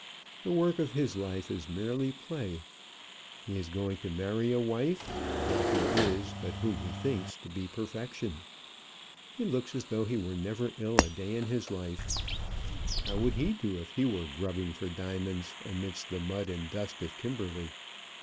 The work of his life is merely play. He is going to marry a wife, not who is, but whom he thinks to be perfection. He looks as though he were never ill a day in his life. How would he do if he were grubbing for diamonds amidst the mud and dust of Kimberley?